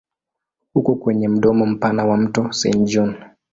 Uko kwenye mdomo mpana wa mto Saint John.